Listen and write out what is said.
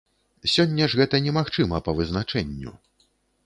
Сёння ж гэта немагчыма па вызначэнню.